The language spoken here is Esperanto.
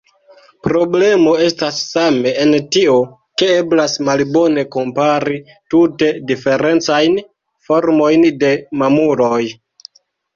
Problemo estas same en tio, ke eblas malbone kompari tute diferencajn formojn de mamuloj.